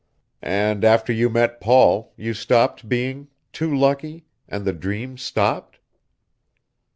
"And after you met Paul, you stopped being ... too lucky ... and the dream stopped?"